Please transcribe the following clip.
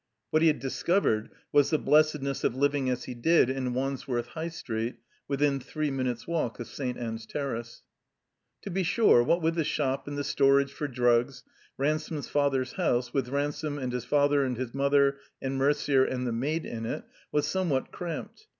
What he had discovered was the blessedness of living as he did in Wandsworth High Street within three minutes' walk of St. Ann's Terrace. To be sure, what with the shop and the storage for drugs, Ransome's father's house, with Ransome and his father and his mother and Mercier and the maid in it, was somewhat cramped.